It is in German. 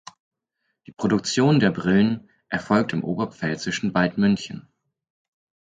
Die Produktion der Brillen erfolgt im oberpfälzischen Waldmünchen.